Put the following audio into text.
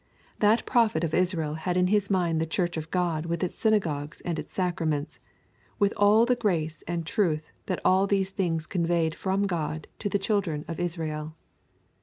That prophet of Israel had in his mind the church of God with its synagogues and its sacraments, with all the grace and truth that all these things conveyed from God to the children of Israel.